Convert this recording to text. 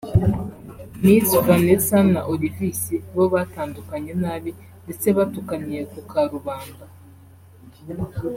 Miss Vanessa na Olivis bo batandukanye nabi ndetse batukaniye ku karubanda